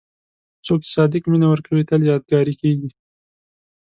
څوک چې صادق مینه ورکوي، تل یادګاري کېږي.